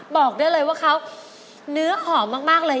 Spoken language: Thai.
บอกได้เลยว่าเขาเนื้อหอมมากเลย